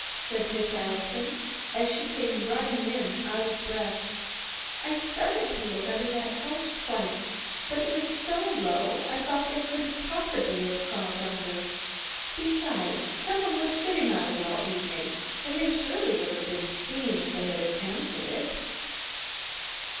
said Miss Allison, as she came running in, out of breath. "I started to look under that couch twice, but it was so low I thought they couldn't possibly have crawled under. Besides, some one was sitting on it all evening, and they surely would have been seen if they had attempted it."